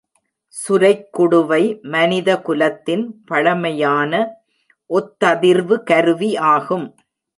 சுரைக்குடுவை மனிதகுலத்தின் பழமையான ஒத்ததிர்வு கருவி ஆகும்.